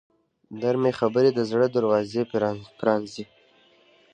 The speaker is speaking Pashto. نرمې خبرې د زړه دروازې پرانیزي.